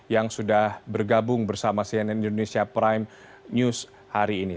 yang sudah bergabung bersama cnn indonesia prime news hari ini